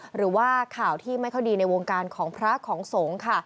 หรือว่าข่าวที่ไม่ค่อยดีในวงการของพระของสงฆ์ค่ะ